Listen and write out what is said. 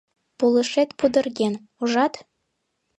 — Пулышет пудырген, ужат?